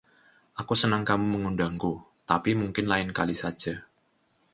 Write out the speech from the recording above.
Aku senang kamu mengundangku, tapi mungkin lain kali saja.